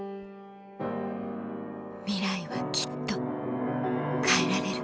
ミライはきっと変えられる